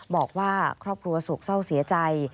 บอกว่าครอบครัวโศกเศร้าเสียใจ